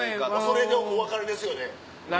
それでお別れですよね？